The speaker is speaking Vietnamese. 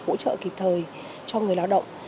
hỗ trợ kịp thời cho người lao động